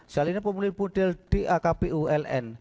tiga salinan formulir model da kpu ln